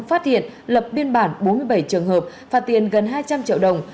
phát hiện lập biên bản bốn mươi bảy trường hợp phạt tiền gần hai trăm linh triệu đồng